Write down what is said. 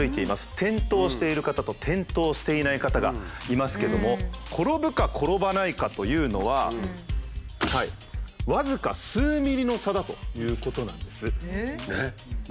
転倒している方と転倒していない方がいますけども転ぶか転ばないかというのは僅か数ミリの差だということなんです。